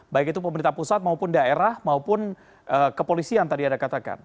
baik itu pemerintah pusat maupun daerah maupun kepolisian tadi ada katakan